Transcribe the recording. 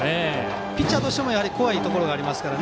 ピッチャーとしても怖いところがありますから。